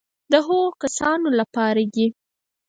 د هغو کسانو لپاره دي.